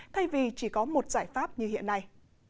thay vì chỉ có một giải pháp như hiện nay